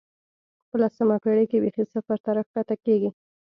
په لسمه پېړۍ کې بېخي صفر ته راښکته کېږي.